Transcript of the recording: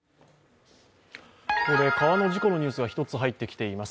ここで川の事故のニュースが１つ入ってきています。